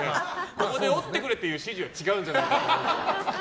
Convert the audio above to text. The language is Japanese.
ここで折ってくれっていう指示は違うんじゃないか。